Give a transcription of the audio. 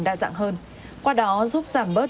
đa dạng hơn qua đó giúp giảm bớt